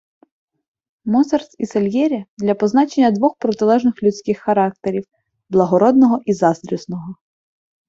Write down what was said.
Моцарт і Сальєрі - для позначення двох протилежних людських характерів, благородного і заздрісного